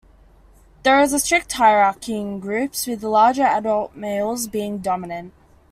There is a strict hierarchy in groups, with the larger adult males being dominant.